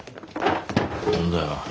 何だよ。